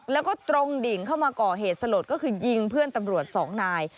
แล้วก็ตรงดิ่งเข้ามาก่อเหตุสลดก็คือยิงเพื่อนตำรวจสองนาย